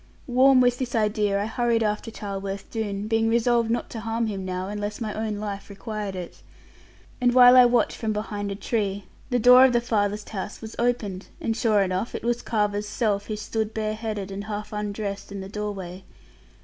Warm with this idea, I hurried after Charleworth Doone, being resolved not to harm him now, unless my own life required it. And while I watched from behind a tree, the door of the farthest house was opened; and sure enough it was Carver's self, who stood bareheaded, and half undressed in the doorway.